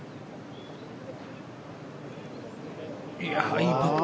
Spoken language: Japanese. いいパット。